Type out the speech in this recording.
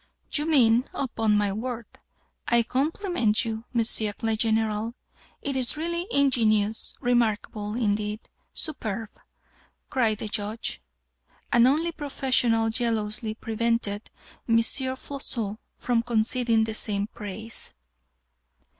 "You mean Upon my word, I compliment you, M. le Général. It is really ingenious! remarkable, indeed! superb!" cried the Judge, and only professional jealousy prevented M. Floçon from conceding the same praise.